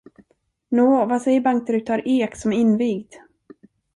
Nå, vad säger bankdirektör Ek som är invigd?